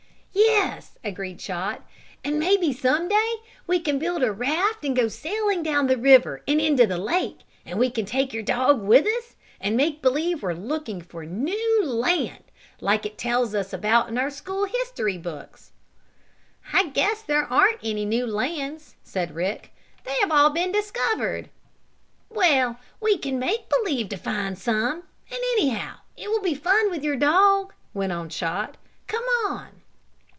"Yes," agreed Chot, "and maybe, some day, we can build a raft, and go sailing down the river and into the lake and we can take your dog with us and make believe we're looking for a new land, like it tells about in our school history books." "I guess there aren't any new lands," said Rick. "They all have been discovered." "Well, we can make believe to find some, and anyhow it will be fun with your dog," went on Chot. "Come on!"